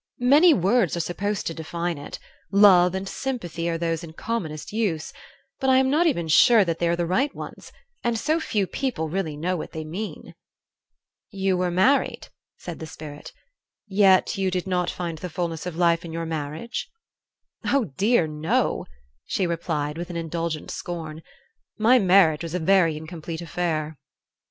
"Many words are supposed to define it love and sympathy are those in commonest use, but I am not even sure that they are the right ones, and so few people really know what they mean." "You were married," said the Spirit, "yet you did not find the fulness of life in your marriage?" "Oh, dear, no," she replied, with an indulgent scorn, "my marriage was a very incomplete affair."